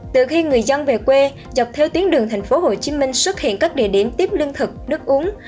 từ khi người dân về quê dọc theo tuyến đường tp hcm xuất hiện các địa điểm tiếp lương thực nước uống